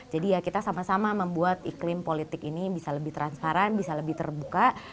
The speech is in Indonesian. jadi ya kita sama sama membuat iklim politik ini bisa lebih transparan bisa lebih terbuka